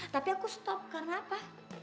tapi aku stop karena apa